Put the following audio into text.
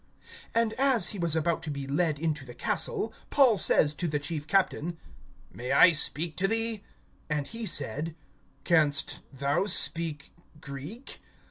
(37)And as he was about to be led into the castle, Paul says to the chief captain: May I speak to thee? And he said: Canst thou speak Greek?